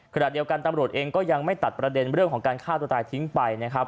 ขณะเดียวกันตำรวจเองก็ยังไม่ตัดประเด็นเรื่องของการฆ่าตัวตายทิ้งไปนะครับ